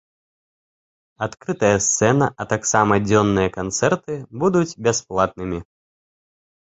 Адкрытая сцэна, а таксама дзённыя канцэрты будуць бясплатнымі.